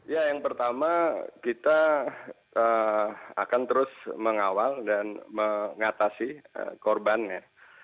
ya yang pertama kita akan terus mengawal dan mengatasi korbannya